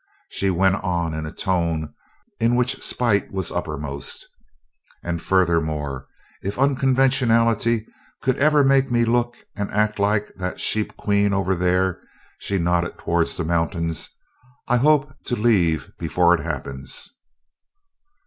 She went on in a tone in which spite was uppermost: "And furthermore, if unconventionality could ever make me look and act like that 'Sheep Queen' over there," she nodded towards the mountain, "I hope to leave before it happens."